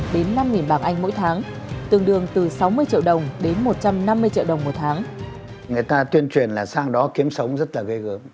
hai đến một đồng